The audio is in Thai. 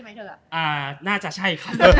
หน้าจะใช่